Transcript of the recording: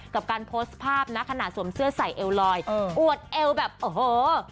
กับการโพสต์ภาพนะขณะสวมเสื้อใส่เอลลอยอวดเอวแบบโอ้โห